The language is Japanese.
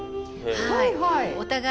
はいはい。